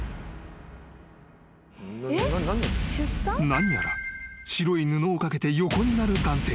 ［何やら白い布を掛けて横になる男性が］